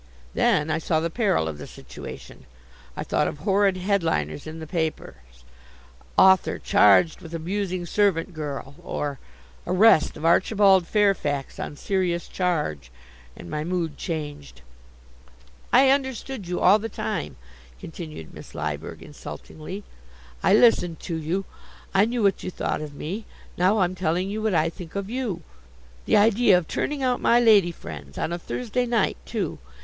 Then I saw the peril of the situation. I thought of horrid headliners in the papers: "Author charged with abusing servant girl," or, "Arrest of Archibald Fairfax on serious charge," and my mood changed. "I understood you all the time," continued Miss Lyberg insultingly. "I listened to you. I knew what you thought of me. Now I'm telling you what I think of you. The idea of turning out my lady friends, on a Thursday night, too!